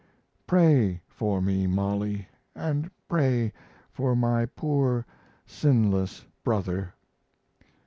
Pray for me, Mollie, and pray for my poor sinless brother.